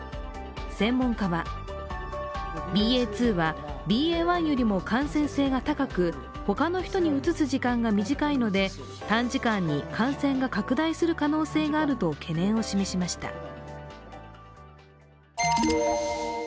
専門家はＢＡ．２はＢＡ．１よりも感染性が高く、他の人にうつす時間が短いので短時間に感染が拡大する可能性があると懸念を示しました。